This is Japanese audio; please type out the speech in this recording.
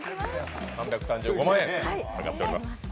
３３５万円かかっております。